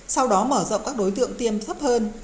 sau đó mở rộng các đối tượng tiêm thấp hơn